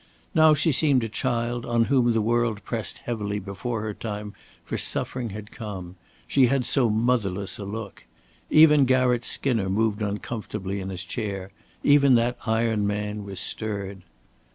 Now she seemed a child on whom the world pressed heavily before her time for suffering had come; she had so motherless a look. Even Garratt Skinner moved uncomfortably in his chair; even that iron man was stirred.